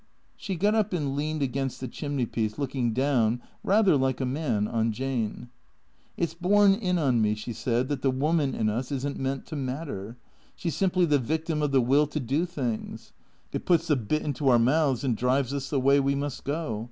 She got up and leaned against the chimney piece looking down, rather like a man, on Jane. " It 's borne in on me," she said, " that the woman in us is n't meant to matter. She 's simply the victim of the Will to do things. It puts the bit into our mouths and drives us the way we must go.